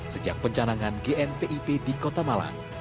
sejak pencanangan gnpip di kota malang